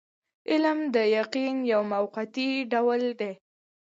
علم د یقین یو موقتي ډول دی.